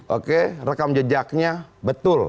oke rekam jejaknya betul